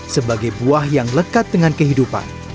sebagai buah yang lekat dengan kehidupan